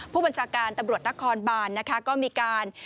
ผู้บัญชาการตำรวจนครบานนะคะก็มีการ